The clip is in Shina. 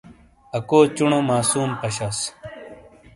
اکو چُنومعصوم پشاس۔